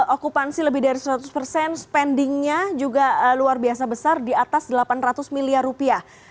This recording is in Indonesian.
okupansi lebih dari seratus persen spendingnya juga luar biasa besar di atas delapan ratus miliar rupiah